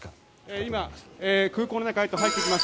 今、空港の中へと入っていきます。